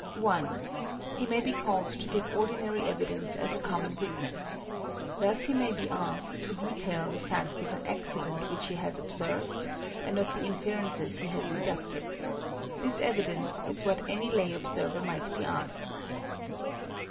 1. He may be called to give ordinary evidence as a common witness. Thus he may be asked to detail the facts of an accident which he has observed, and of the inferences he has deduced. This evidence is what any lay observer might be asked.